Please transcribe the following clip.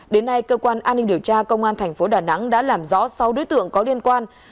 đến nay cơ quan an ninh điều tra công an thành phố đà nẵng đã làm rõ sáu đối tượng có liên quan